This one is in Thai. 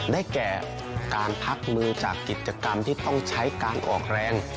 แก่การพักมือจากกิจกรรมที่ต้องใช้การออกแรง